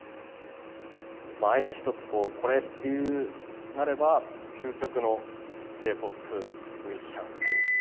あえて１つ、これってなれば、究極のＪーＰＯＰミュージシャンユニット。